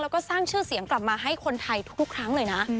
แล้วก็สร้างชื่อเสียงกลับมาให้คนไทยทุกครั้งเลยนะ